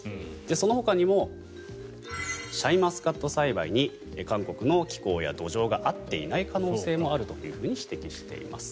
そのほかにもシャインマスカット栽培に韓国の気候や土壌が合っていない可能性もあると指摘しています。